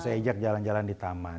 saya ajak jalan jalan di taman